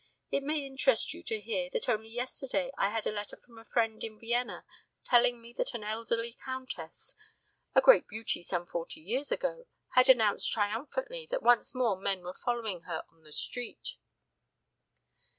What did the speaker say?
It may interest you to hear that only yesterday I had a letter from a friend in Vienna telling me that an elderly countess, a great beauty some forty years ago, had announced triumphantly that once more men were following her on the street."